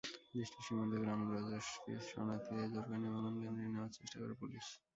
দেশটির সীমান্ত গ্রাম রসজকে শরণার্থীদের জোর করে নিবন্ধনকেন্দ্রে নেওয়ার চেষ্টা করে পুলিশ।